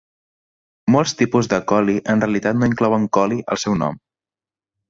Molts tipus de collie en realitat no inclouen "collie" al seu nom.